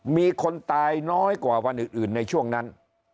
มีคนตายน้อยกว่าวันอื่นในช่วงนั้น